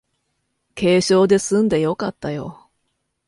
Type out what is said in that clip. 軽傷ですんでよかったよ